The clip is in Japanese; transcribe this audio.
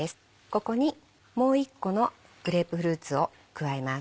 ここにもう一個のグレープフルーツを加えます。